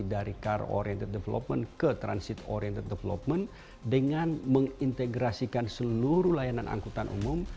dari car oriented development ke transit oriented development dengan mengintegrasikan seluruh layanan angkutan umum